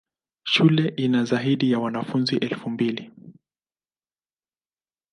Shule ina zaidi ya wanafunzi elfu mbili.